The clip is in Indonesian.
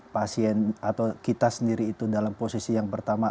pasien atau kita sendiri itu dalam posisi yang pertama